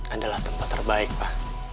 adalah tempat terbaik pa